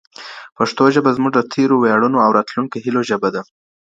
پښتو ژبه زموږ د تېرو ویاړونو او راتلونکو هیلو ژبه ده